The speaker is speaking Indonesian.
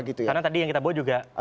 karena tadi yang kita bawa juga